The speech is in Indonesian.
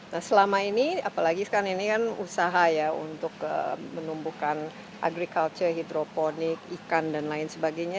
nah selama ini apalagi sekarang ini kan usaha ya untuk menumbuhkan agriculture hidroponik ikan dan lain sebagainya